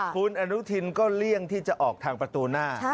คุณอนุทินก็เลี่ยงที่จะออกทางประตูหน้า